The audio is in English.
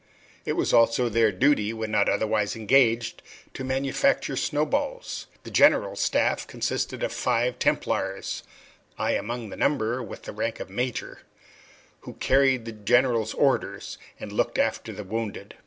It was also their duty, when not otherwise engaged, to manufacture snow balls. The General's staff consisted of five Templars (I among the number, with the rank of Major), who carried the General's orders and looked after the wounded.